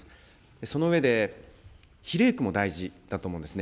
その上で、比例区も大事だと思うんですね。